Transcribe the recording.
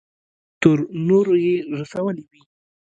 تر نورو يې رسولې وي.